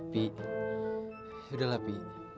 pi yaudahlah pi